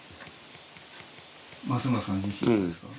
ますむらさん自身がですか？